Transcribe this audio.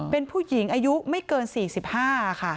เป็นผู้หญิงอายุไม่เกิน๔๕ค่ะ